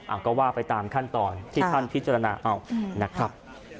เอาก็ว่าไปตามขั้นตอนที่ท่านพิจารณาเอานะครับ